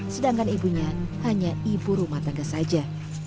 sedangkan ibunya hanya ibu rumah tangga saja